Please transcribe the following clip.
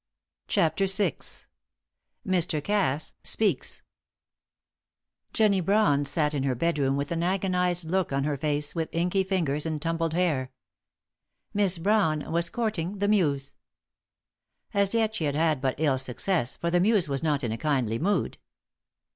CHAPTER VI. MR. CASS SPEAKS. Jennie Brawn sat in her bedroom with an agonised took on her face, with inky fingers and tumbled hair. Miss Brawn was courting the Muse. As yet she had had but ill success, for the Muse was not in a kindly mood.